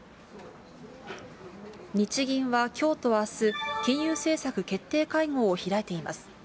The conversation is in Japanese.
日銀はきょうとあす、金融政策決定会合を開いています。